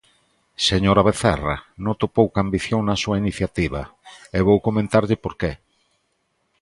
Señora Vecerra, noto pouca ambición na súa iniciativa, e vou comentarlle por que.